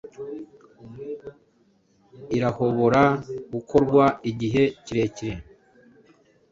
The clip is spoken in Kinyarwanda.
irahobora gukorwa igihe kirekire